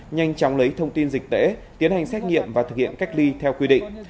nhanh chóng lấy thông tin dịch tễ tiến hành xét nghiệm và thực hiện cách ly theo quy định